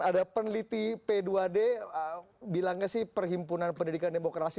ada peneliti p dua d bilangnya sih perhimpunan pendidikan demokrasi